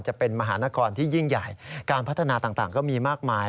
จะเป็นมหานครที่ยิ่งใหญ่การพัฒนาต่างก็มีมากมาย